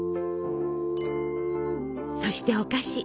そしてお菓子。